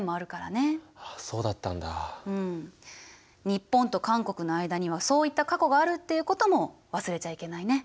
日本と韓国の間にはそういった過去があるっていうことも忘れちゃいけないね。